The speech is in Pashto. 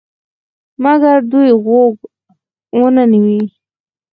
مګر دوی غوږ ونه نیوی.